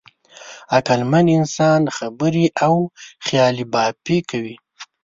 عقلمن انسان خبرې او خیالبافي کوي.